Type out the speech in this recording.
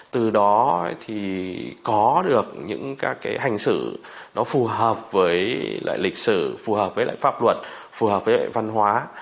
từ đó có được những hành xử phù hợp với lịch sử phù hợp với pháp luật phù hợp với văn hóa